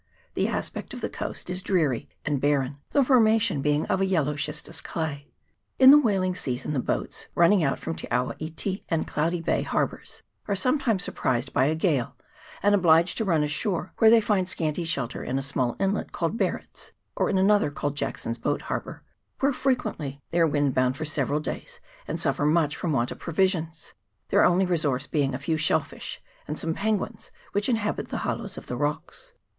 The aspect of the coast is dreary and barren, the forma tion being a yellow schistous clay. In the whaling season the boats, running out from Te awa iti and Cloudy Bay harbours, are sometimes surprised by a gale, and obliged to run ashore, where they find scanty shelter in a small inlet called Barret's, or in another called Jackson's Boat Harbour, where fre quently they are windbound for several days, and suffer much from want of provisions, their only re source being a few shell fish, and some penguins which inhabit the hollows of the rocks.